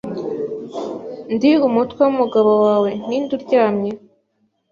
` Ndi umutwe wumugabo wawe Ninde uryamye